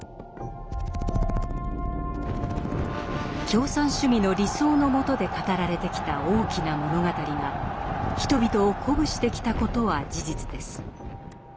共産主義の理想のもとで語られてきた「大きな物語」が人々を鼓舞してきたことは事実です。